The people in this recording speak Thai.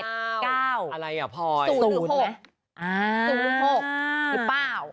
๐หรือ๖หรือเปล่า